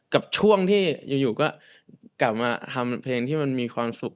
กับช่วงที่อยู่ก็กลับมาทำเพลงที่มันมีความสุข